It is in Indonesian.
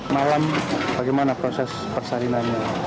malam bagaimana proses persalinannya